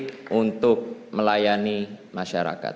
dan untuk melayani masyarakat